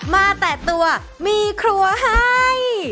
มาแต่ตัวมีครัวให้